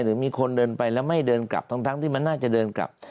หรือมีคนเดินไปแล้วไม่เดินกลับทั้งที่มันน่าจะเดินกลับ